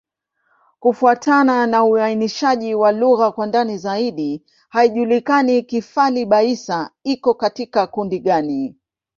Kufuatana na uainishaji wa lugha kwa ndani zaidi, haijulikani Kifali-Baissa iko katika kundi gani.